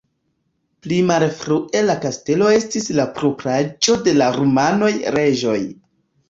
Pli malfrue la kastelo estis la propraĵo de la rumanaj reĝoj.